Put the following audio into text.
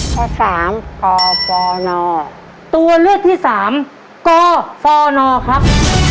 ข้อสามกฟนตัวเลือกที่สามกฟนครับ